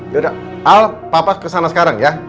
yaudah al papa kesana sekarang ya